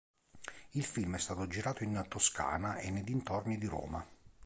Il film è stato girato in Toscana e nei dintorni di Roma.